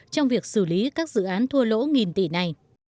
trong việc xử lý các dự án thua lỗ nghìn tỷ này